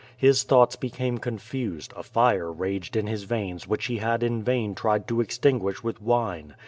His thoughts became confused; a fire raged in his veins which he had in vain tried to extinguish with wine.